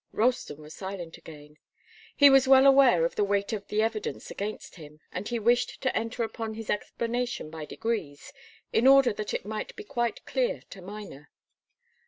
Ralston was silent again. He was well aware of the weight of the evidence against him, and he wished to enter upon his explanation by degrees, in order that it might be quite clear to Miner.